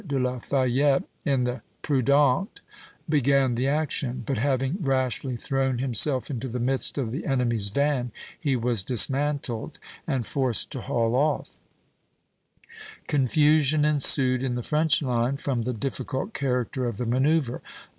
de la Fayette, in the 'Prudente,' began the action; but having rashly thrown himself into the midst of the enemy's van, he was dismantled and forced to haul off" (a). Confusion ensued in the French line, from the difficult character of the manoeuvre.